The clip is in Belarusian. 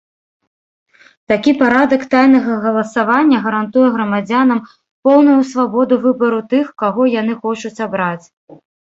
Такі парадак тайнага галасавання гарантуе грамадзянам поўную свабоду выбару тых, каго яны хочуць абраць.